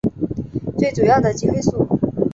最主要的集会所